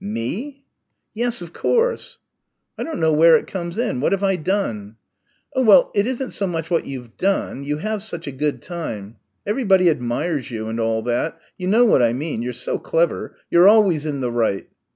"Me?" "Yes, of course." "I don't know where it comes in. What have I done?" "Oh, well, it isn't so much what you've done you have such a good time.... Everybody admires you and all that ... you know what I mean you're so clever.... You're always in the right."